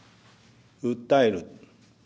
訴える。